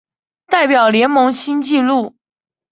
代表联盟新纪录